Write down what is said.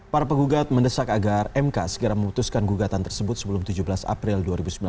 para penggugat mendesak agar mk segera memutuskan gugatan tersebut sebelum tujuh belas april dua ribu sembilan belas